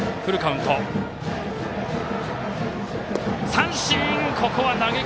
三振！